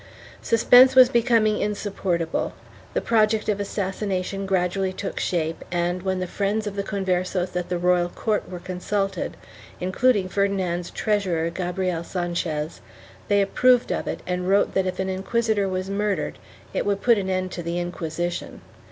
1 Suspense was becoming insupportable; the project of assassination gradually took shape and, when the friends of the Converses at the royal court were consulted, including Ferdinand's treasurer Gabriel Sanchez, they approved of it and wrote that if an inquisitor was murdered it would put an end to the Inquisition.